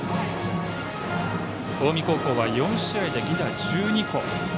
近江高校は４試合で犠打１２個。